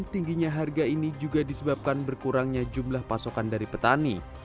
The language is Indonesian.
tingginya harga ini juga disebabkan berkurangnya jumlah pasokan dari petani